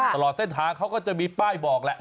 ตลอดเส้นทางเขาก็จะมีป้ายบอกแหละ